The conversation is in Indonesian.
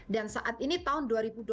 dan saat ini tahun dua ribu dua puluh dua